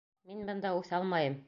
Мин бында үҫә алмайым!